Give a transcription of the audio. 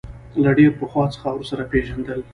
له ډېر پخوا څخه ورسره پېژندل.